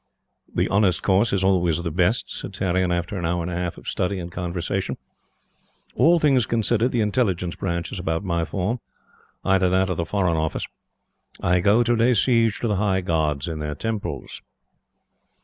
"The honest course is always the best," said Tarrion after an hour and a half of study and conversation. "All things considered, the Intelligence Branch is about my form. Either that or the Foreign Office. I go to lay siege to the High Gods in their Temples."